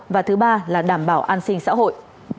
và thứ ba là đảm bảo an sinh xã hội